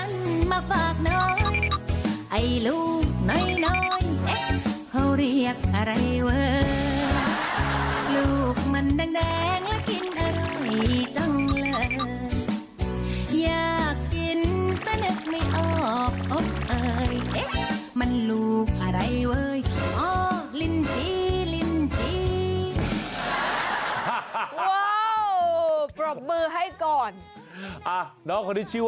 อยากกินแต่นึกไม่ออกโอ๊ยมันลูกอะไรเว้ยโอ๊ยลินจี